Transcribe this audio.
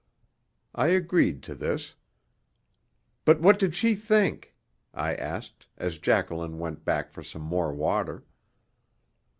I agreed to this. "But what did she think?" I asked, as Jacqueline went back for some more water.